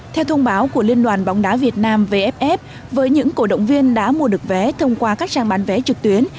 theo thông báo của liên đoàn bóng đá việt nam vff với những cổ động viên đã mua được vé thông qua các trang bán vé trực tuyến